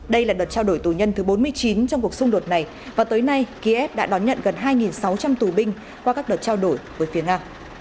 đây là đợt trao đổi tù nhân thứ bốn mươi chín trong cuộc xung đột này và tới nay kiev đã đón nhận gần hai sáu trăm linh tù binh qua các đợt trao đổi với phía nga